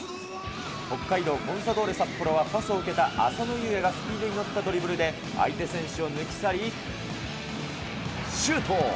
北海道コンサドーレ札幌は、パスを受けた浅野雄也がスピードに乗ったドリブルで相手選手を抜き去り、シュート。